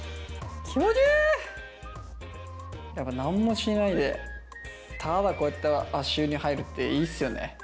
やっぱ何もしないでただこうやって足湯に入るっていいっすよね。